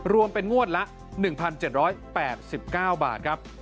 รวมเป็นงวดละ๑๗๘๙บาทครับ